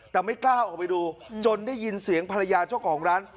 แต่ไม่กล้าออกไปดูจนได้ยินเสียงภรรยาเจ้าของร้าน